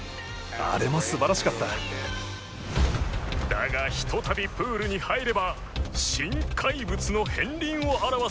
だがひとたびプールに入れば新怪物の片鱗をあらわす。